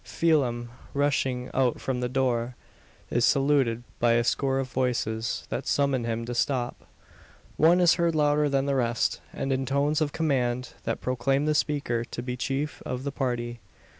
Phelim, rushing out from the door, is saluted by a score of voices that summon him to stop. One is heard louder than the rest, and in tones of command that proclaim the speaker to be chief of the party.